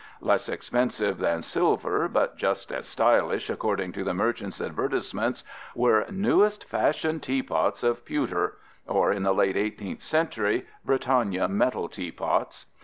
Less expensive than silver, but just as stylish according to the merchants' advertisements were "newest fashion teapots" of pewter or, in the late 18th century, Britannia metal teapots.